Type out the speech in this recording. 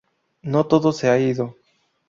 No todo se ha ido.